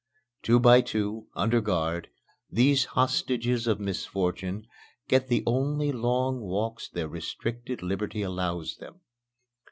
Two by two, under guard, these hostages of misfortune get the only long walks their restricted liberty allows them.